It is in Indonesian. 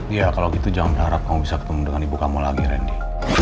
iya kalau gitu jangan berharap kamu bisa ketemu dengan ibu kamu lagi randy